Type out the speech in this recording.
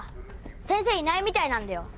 先生いないみたいなんだよ。